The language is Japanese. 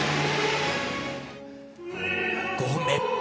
５本目。